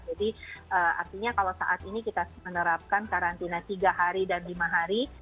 jadi artinya kalau saat ini kita menerapkan karantina tiga hari dan lima hari